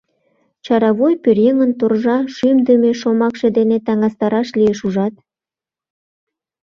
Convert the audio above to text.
Чаравуй пӧръеҥын торжа, шӱмдымӧ шомакше дене таҥастараш лиеш, ужат?